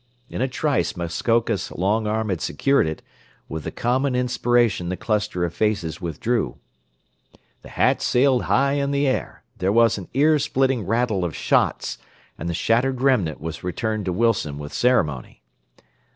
In a trice Muskoka's long arm had secured it, with the common inspiration the cluster of faces withdrew; the hat sailed high in the air, there was an ear splitting rattle of shots, and the shattered remnant was returned to Wilson with ceremony.